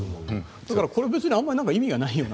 だからこれは別にあまり意味がないような。